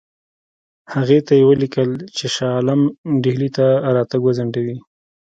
هغې ته یې ولیکل چې شاه عالم ډهلي ته راتګ وځنډوي.